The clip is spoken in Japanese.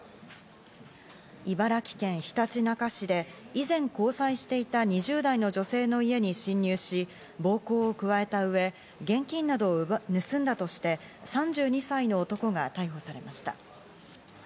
茨城県ひたちなか市で以前交際していた２０代の女性の家に侵入し、暴行を加えたうえ、現金などを盗んだとして３２歳の男が逮捕されました。